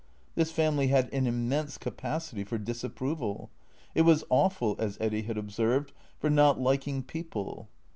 This family had an immense capacity for disapproval ; it was awful, as Eddy had observed, for not liking people.